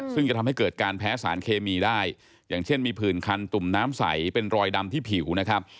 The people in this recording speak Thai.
ซึ่งจะทำให้เกิดการแพ้สารเคมีได้อย่างเช่นมีผื่นคันตุ่มน้ำใสเป็นรอยดำที่ผิวนะครับ